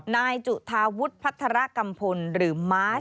นายจุธาวุฒิพัฒระกัมพลหรือมาร์ท